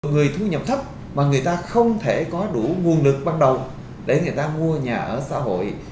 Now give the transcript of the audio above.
người thu nhập thấp mà người ta không thể có đủ nguồn lực ban đầu để người ta mua nhà ở xã hội